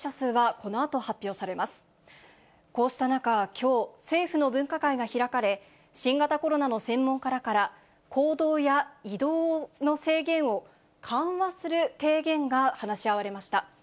こうした中、きょう、政府の分科会が開かれ、新型コロナの専門家らから、行動や移動の制限を緩和する提言が話し合われました。